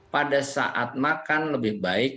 pada saat makan lebih baik